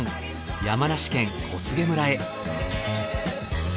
山梨県小菅村へ。